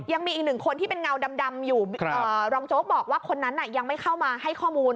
ยังมีอีกหนึ่งคนที่เป็นเงาดำอยู่รองโจ๊กบอกว่าคนนั้นยังไม่เข้ามาให้ข้อมูล